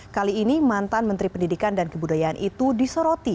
kali ini mantan menteri pendidikan dan kebudayaan itu disoroti